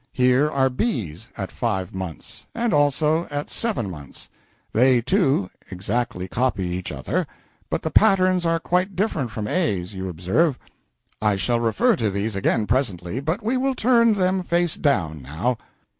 Here are B's at five months, and also at seven months. They, too, exactly copy each other, but the patterns are quite different from A's, you observe. I shall refer to these again presently, but we will turn them face down, now.